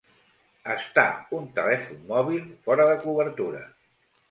Estar, un telèfon mòbil, fora de cobertura.